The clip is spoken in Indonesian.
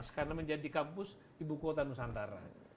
sekarang menjadi kampus ibu kuota nusantara